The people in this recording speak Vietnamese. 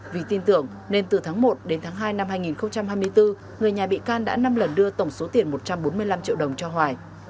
vì tin tưởng nên từ tháng một đến tháng hai năm hai nghìn hai mươi bốn người nhà bị can đã năm lần đưa tổng số tiền một trăm bốn mươi năm triệu đồng cho hoài